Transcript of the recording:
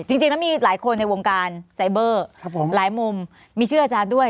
จริงแล้วมีหลายคนในวงการไซเบอร์หลายมุมมีชื่ออาจารย์ด้วย